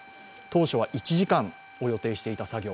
当初は１時間を予定していた作業